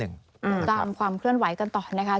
ตามความเคลื่อนไหวกันต่อนะคะ